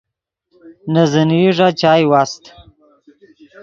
نے زینئی ݱا چائے واست